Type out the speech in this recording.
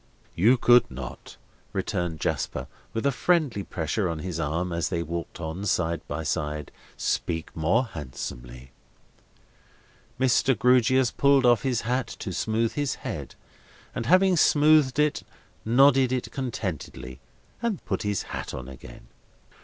"You could not," returned Jasper, with a friendly pressure of his arm, as they walked on side by side, "speak more handsomely." Mr. Grewgious pulled off his hat to smooth his head, and, having smoothed it, nodded it contentedly, and put his hat on again.